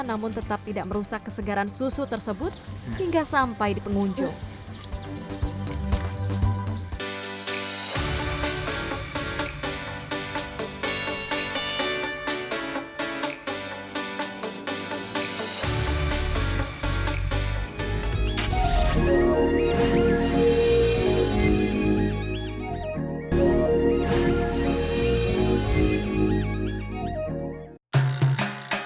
namun tetap tidak merusak kesegaran susu tersebut hingga sampai di pengunjung